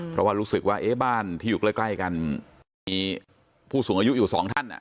เพราะว่ารู้สึกว่าบ้านที่อยู่ใกล้กันมีผู้สูงอายุอยู่สองท่าน